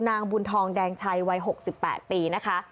นางบุญทองแดงชัยวัย๖๘ปีนะคะ